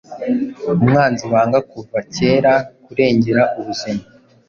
Umwanzi wanga kuva kera kurengera ubuzima